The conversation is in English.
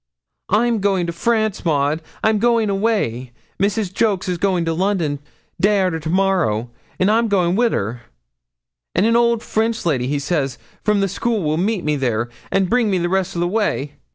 'I'm going to France, Maud I'm going away. Mrs. Jolks is going to London, day ar'ter to morrow, and I'm to go wi' her; and an old French lady, he says, from the school will meet me there, and bring me the rest o' the way.'